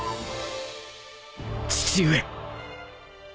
父上